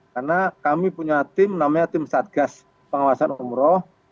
karena kami punya tim namanya tim satgas pengawasan umrah